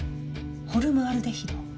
「ホルムアルデヒド」。